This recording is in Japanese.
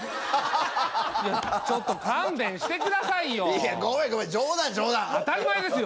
いやちょっと勘弁してくださいよいやゴメンゴメン冗談冗談当たり前ですよ